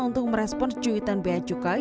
untuk merespon cuitan bea cukai